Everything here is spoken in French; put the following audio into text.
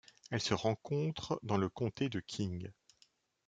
Elle se rencontre dans le comté de King.